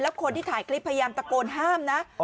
คนที่ถ่ายคลิปพยายามตะโกนห้ามนะ